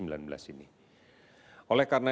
oleh karena itu diperlukan strategi yang baru